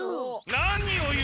何を言う！